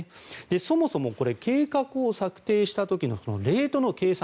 そもそも計画を策定した時のレートの計算